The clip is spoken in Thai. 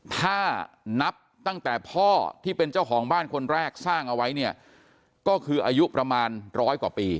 ถ้านับตั้งแต่พ่อที่เป็นเจ้าของบ้านคนแรกสร้างเอาไว้เนี่ยก็คืออายุประมาณร้อยกว่าปี